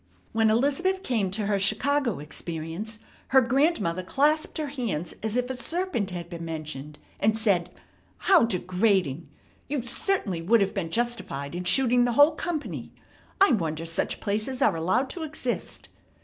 When Elizabeth came to her Chicago experience, her grandmother clasped her hands as if a serpent had been mentioned, and said: "How degrading! You certainly would have been justified in shooting the whole company. I wonder such places are allowed to exist!"